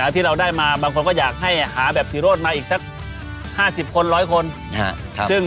ที่เราได้มาบางคนก็อยากให้หาแบบศรีโรธมาอีกสัก๕๐คน๑๐๐คน